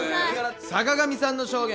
坂上さんの証言。